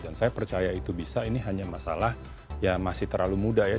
dan saya percaya itu bisa ini hanya masalah ya masih terlalu muda ya